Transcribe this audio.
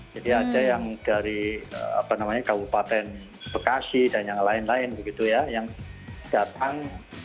jadi ada yang dari kabupaten bekasi dan yang lain lain yang datang